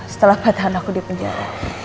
setelah patah anakku di penjara